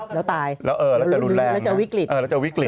แล้วตายแล้วจะรุนแรงแล้วจะวิกฤต